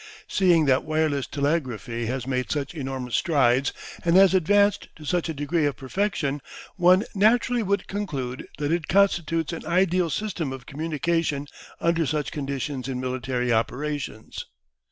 Seeing that wireless telegraphy has made such enormous strides and has advanced to such a degree of perfection, one naturally would conclude that it constitutes an ideal system of communication under such conditions in military operations.